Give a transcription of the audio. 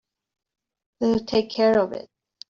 They'll take care of it.